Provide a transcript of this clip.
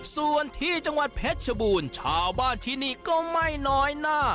ส่วนที่จังหวัดเพชรชบูรณ์ชาวบ้านที่นี่ก็ไม่น้อยหน้า